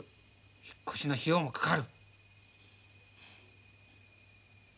引っ越しの費用もかかる。